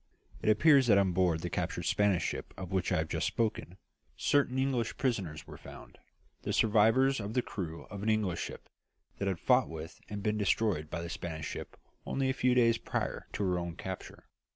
It appears that on board the captured Spanish ship of which I have just spoken, certain English prisoners were found, the survivors of the crew of an English ship that had fought with and been destroyed by the Spanish ship only a few days prior to her own capture.